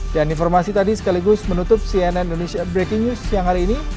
dan informasi tadi sekaligus menutup cnn indonesia breaking news siang hari ini